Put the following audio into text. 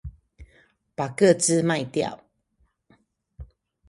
把個資賣掉